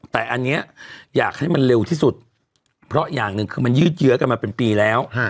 แต่อันนี้อยากให้มันเร็วที่สุดเพราะอย่างหนึ่งคือมันยืดเยื้อกันมาเป็นปีแล้ว